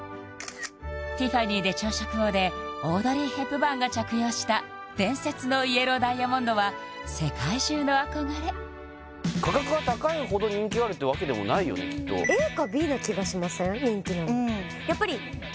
「ティファニーで朝食を」でオードリー・ヘプバーンが着用した伝説のイエローダイヤモンドは世界中の憧れ価格が高いほど人気があるってわけでもないよねきっとＡかＢな気がしません？